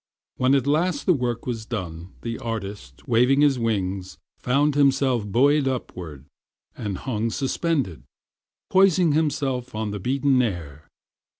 When at last the work was done, the artist, waving his wings, found himself buoyed upward, and hung suspended, poising himself on the beaten air.